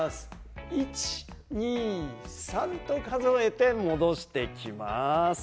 １、２、３と数えて戻していきます。